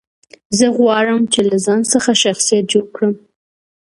زه غواړم، چي له ځان څخه شخصیت جوړ کړم.